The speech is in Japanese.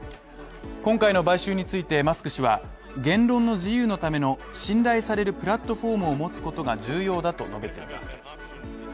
今回の買収についてマスク氏は言論の自由のための信頼されるプラットフォームを持つことが重要だと述べています。